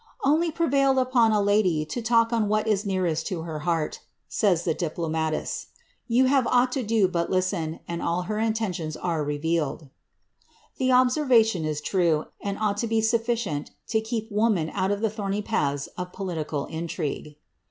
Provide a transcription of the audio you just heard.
^ Only prevail upon a lady to talk on what is nearest her heart," say the diplomatists, ^ yoa have nought to do but listen, and all her intentions are revealed." The observation is true, and ought to be sufficient to keep woman out of he thorny paths of political intrigue.